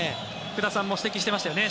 福田さんも指摘してましたよね。